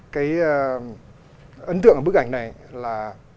cái ấn tượng của bức ảnh này là